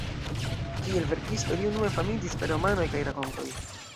Kiel verkisto li unue famiĝis per romanoj kaj rakontoj.